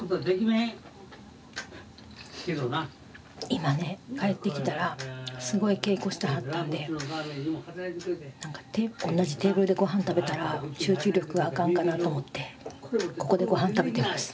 今ね帰ってきたらすごい稽古してはったんでおんなじテーブルでごはん食べたら集中力があかんかなと思ってここでごはん食べてます。